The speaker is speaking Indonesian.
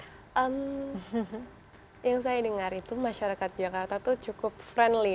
hmm yang saya dengar itu masyarakat jakarta itu cukup friendly